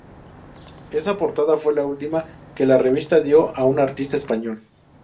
Esa portada fue la última que la revista dio a un artista español.